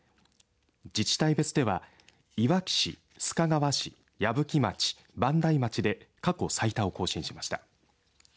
自治体別では、いわき市須賀川市、矢吹町、磐梯町で過去最多を更新しました。